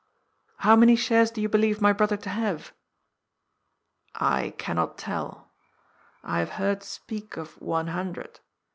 "How many shares do you believe my brother to have?" ^' I cannot tell. I have heard speak of one hundred.